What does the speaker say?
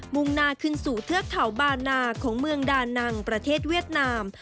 ่งหน้าขึ้นสู่เทือกเขาบานาของเมืองดานังประเทศเวียดนาม